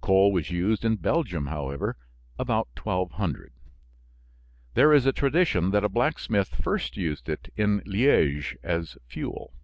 Coal was used in Belgium, however, about 1200. There is a tradition that a blacksmith first used it in Liège as fuel.